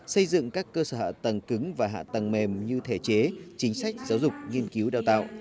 xây dựng các cơ sở hạ tầng cứng và hạ tầng mềm như thể chế chính sách giáo dục nghiên cứu đào tạo